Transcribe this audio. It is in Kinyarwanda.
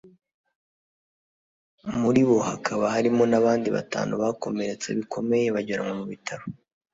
muri bo hakaba harimo n’abandi batanu bakomeretse bikomeye bajyanwa mu bitaro